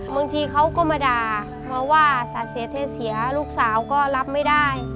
บางทีเขาก็มาด่าเพราะว่าสาเสียเทเสียลูกสาวก็รับไม่ได้